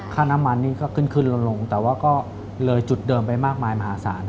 ค่าน้ำมันนี่ก็ขึ้นขึ้นลงแต่ว่าก็เลยจุดเดิมไปมากมายมหาศาล